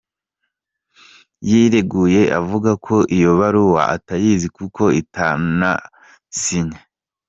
Yireguye avuga ko iyo baruwa atayizi kuko itanasinye.